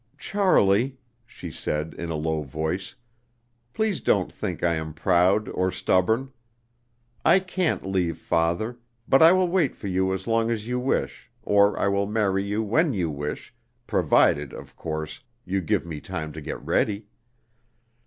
"Charlie," she said in a low voice, "please don't think I am proud or stubborn. I can't leave father, but I will wait for you as long as you wish or I will marry you when you wish, provided, of course, you give me time to get ready.